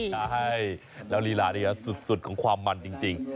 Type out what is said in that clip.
ใช่แล้วลีลาเนี่ยสุดของความมันจริง